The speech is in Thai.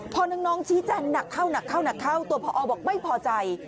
พอนึงน้องชี้แจนหนักเข้าตัวพอบอกไม่พอใจ